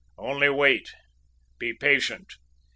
Only wait; be patient.